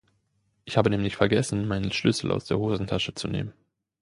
Ich habe nämlich vergessen, meinen Schlüssel aus der Hosentasche zu nehmen.